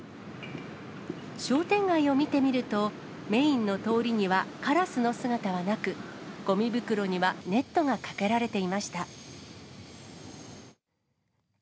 商店街を見てみると、メインの通りにはカラスの姿はなく、ごみ袋にはネットがかけられていました。